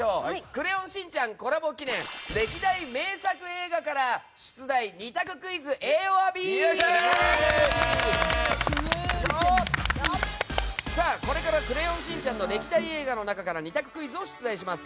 「クレヨンしんちゃん」コラボ記念歴代名作映画から出題２択クイズＡｏｒＢ！これから「クレヨンしんちゃん」の歴代映画の中から２択クイズを出題します。